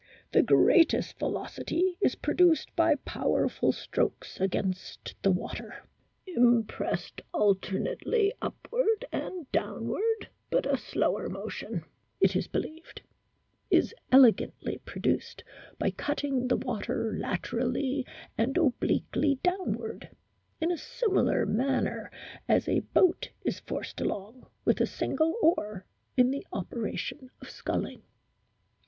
The greatest velocity is produced by powerful strokes against the water, impressed alternately upward and downward ; but a slower motion, it is believed, is elegantly pro duced by cutting the water laterally and obliquely downward, in a similar manner as a boat is forced along, with single oar, in the operation of sculling."